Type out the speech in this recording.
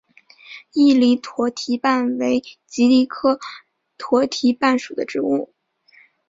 伊犁驼蹄瓣为蒺藜科驼蹄瓣属的植物。